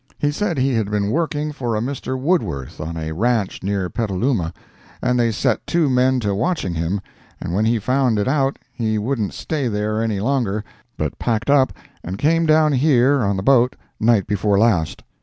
He said he had been working for a Mr. Woodworth on a ranch near Petaluma, and they set two men to watching him, and when he found it out he wouldn't stay there any longer, but packed up and came down here on the boat night before last.